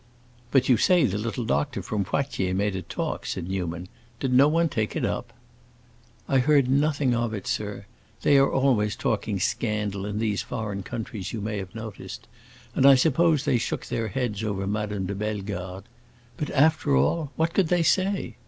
"But you say the little doctor from Poitiers made a talk," said Newman. "Did no one take it up?" "I heard nothing of it, sir. They are always talking scandal in these foreign countries you may have noticed—and I suppose they shook their heads over Madame de Bellegarde. But after all, what could they say?